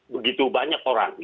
begitu banyak orang